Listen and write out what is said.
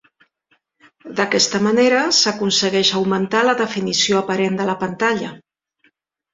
D'aquesta manera, s'aconsegueix augmentar la definició aparent de la pantalla.